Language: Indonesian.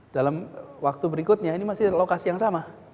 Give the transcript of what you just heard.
dalam waktu berikutnya ini masih lokasi yang sama